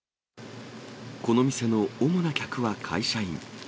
この店の主な客は会社員。